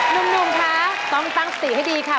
หนุ่มคะต้องตั้งสติให้ดีค่ะ